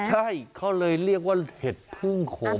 ใช่เขาเลยเรียกว่าเห็ดพึ่งโขม